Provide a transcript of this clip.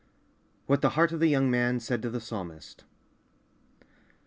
■WHAT THE HEART OF THE YOUNG MAN SAID TO THE PSALMIST.